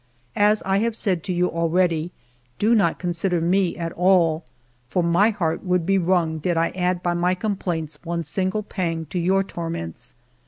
As I have said to you already, do not consider me at all, for my heart would be wrung did I add by my complaints one single pang to your torments.